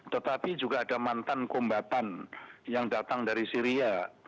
tetapi juga ada mantan kombatan yang datang dari syria